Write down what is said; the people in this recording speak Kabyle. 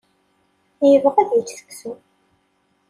Yebɣa ad yečč seksu.